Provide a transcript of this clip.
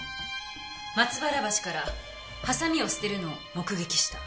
松原橋からハサミを捨てるのを目撃した。